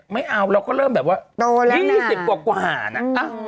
ไม่เอาเราก็เริ่มแบบว่า๒๐กว่านะ